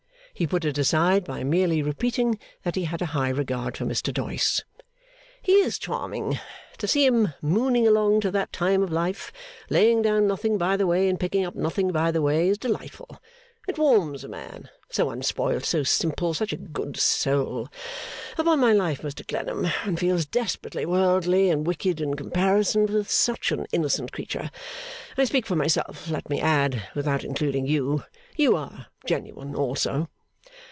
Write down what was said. He put it aside by merely repeating that he had a high regard for Mr Doyce. 'He is charming! To see him mooning along to that time of life, laying down nothing by the way and picking up nothing by the way, is delightful. It warms a man. So unspoilt, so simple, such a good soul! Upon my life Mr Clennam, one feels desperately worldly and wicked in comparison with such an innocent creature. I speak for myself, let me add, without including you. You are genuine also.